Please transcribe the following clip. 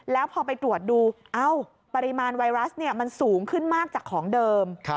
แล้วพอไปตรวจดูปริมาณไวรัสมันสูงขึ้นมากจากของเดิม